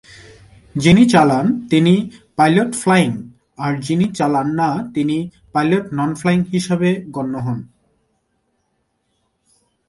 যিনি চালান তিনি "পাইলট ফ্লাইং" আর যিনি চালান না তিনি "পাইলট নন ফ্লাইং" হিসেবে গণ্য হোন।